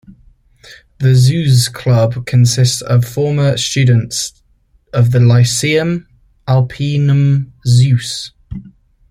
The Zuoz Club consists of former students of the Lyceum Alpinum Zuoz.